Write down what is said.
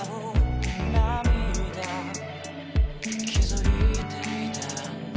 「気づいていたんだ